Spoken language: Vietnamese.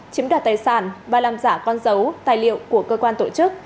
chiếm đoạt tài sản và làm giả con dấu tài liệu của cơ quan tổ chức